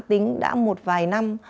tính đã một vài năm